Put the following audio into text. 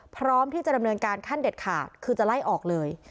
พร้อมที่จะดำเนินการขั้นเด็ดขาดคือจะไล่ออกเลย